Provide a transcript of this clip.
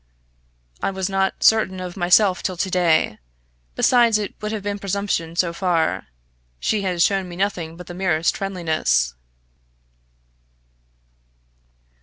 "I was not certain of myself till to day. Besides it would have been presumption so far. She has shown me nothing but the merest friendliness."